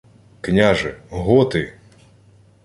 — Княже, готи!